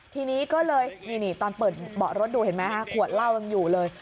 ทีนี้ก็เลยนี่ตอนเปิดเบาะรถดูเห็นไหมฮะขวดเหล้ายังอยู่เลย